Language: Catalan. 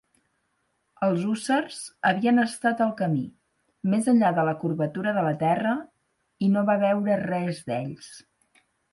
Els hússars havien estat al camí, més enllà de la curvatura de la terra, i no va veure res d'ells.